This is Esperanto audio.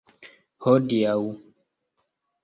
hodiaŭ